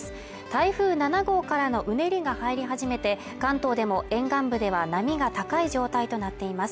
台風７号からのうねりが入り始めて関東でも沿岸部では波が高い状態となっています